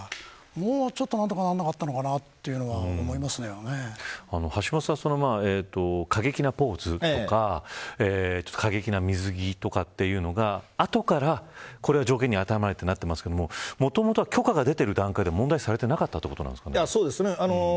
もうちょっと何とかならなかったのかなとは橋下さん、過激なポーズとか過激な水着とかというのがあとから条件に当てはまるとなってますけどもともとは許可が出ている段階で問題視されていなかったそうですね。